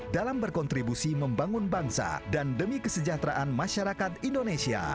dalam berkontribusi membangun bangsa dan demi kesejahteraan masyarakat indonesia